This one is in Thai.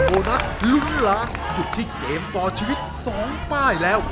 โบนัสลุ้นล้านหยุดที่เกมต่อชีวิต๒ป้ายแล้ว